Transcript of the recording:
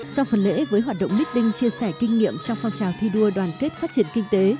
sau phần lễ với hoạt động meeting chia sẻ kinh nghiệm trong phong trào thi đua đoàn kết phát triển kinh tế